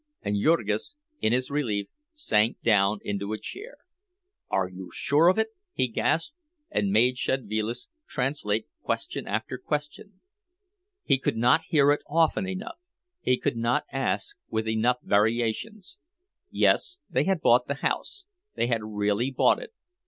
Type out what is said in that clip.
And Jurgis, in his relief, sank down into a chair. "Are you sure of it?" he gasped, and made Szedvilas translate question after question. He could not hear it often enough; he could not ask with enough variations. Yes, they had bought the house, they had really bought it.